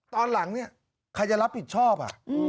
ตอนหลังเนี่ยใครจะรับผิดชอบอ่ะ